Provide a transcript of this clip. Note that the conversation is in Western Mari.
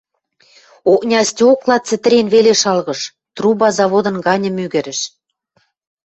Окня стёкла цӹтӹрен веле шалгыш, труба заводын ганьы мӱгӹрӹш.